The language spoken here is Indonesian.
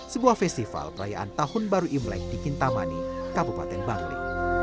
sebuah festival perayaan tahun baru imlek di kintamani kabupaten bangli